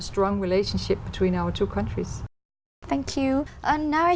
trong vùng vùng bình thường và